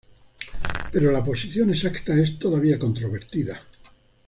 Pero la posición exacta es todavía controvertida.